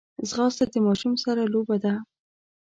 ځغاسته د ماشوم سره لوبه ده